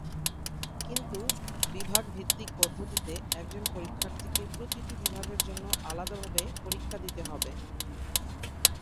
কিন্তু বিভাগভিত্তিক পদ্ধতিতে একজন পরীক্ষার্থীকে প্রতিটি বিভাগের জন্য আলাদাভাবে পরীক্ষা দিতে হবে।